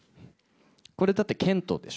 これだって、賢人でしょ。